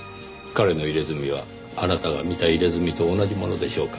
彼の入れ墨はあなたが見た入れ墨と同じものでしょうか？